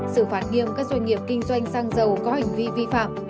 xử phạt nghiêm các doanh nghiệp kinh doanh xăng dầu có hành vi vi phạm